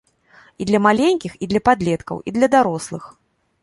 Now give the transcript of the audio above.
І для маленькіх, і для падлеткаў, і для дарослых.